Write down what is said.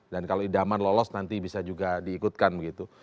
dan kalau idaman lolos nanti bisa juga diikutkan begitu